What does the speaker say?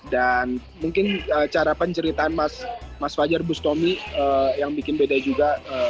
dan mungkin cara penceritaan mas fajar bustomi yang bikin beda juga